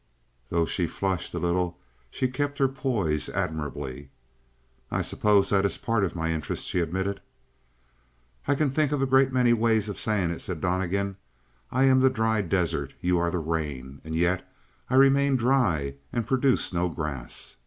Though she flushed a little she kept her poise admirably. "I suppose that is part of my interest," she admitted. "I can think of a great many ways of saying it," said Donnegan. "I am the dry desert, you are the rain, and yet I remain dry and produce no grass."